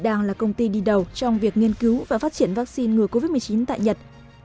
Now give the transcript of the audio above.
đang là công ty đi đầu trong việc nghiên cứu và phát triển vaccine ngừa covid một mươi chín tại nhật